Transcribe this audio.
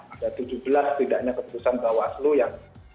ada tujuh belas setidaknya keputusan bawaslu yang